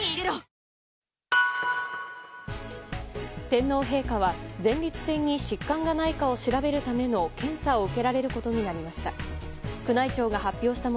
天皇陛下は前立腺に疾患がないかを調べるための検査を受けられることになりました。